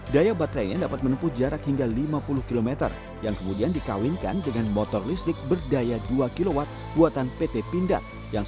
daya baterainya dapat menempuh jarak hingga lima puluh km yang kemudian dikawinkan dengan motor listrik berdaya dua kw buatan pt pindad